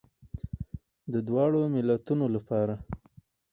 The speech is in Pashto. د دواړو ملتونو لپاره.